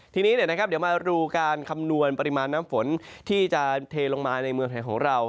ทีนี้เดี๋ยวมาดูการคำนวณปริมาณน้ำฝนที่จะเทลงมาในเมืองไทยของเรา